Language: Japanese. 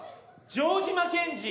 城島健二。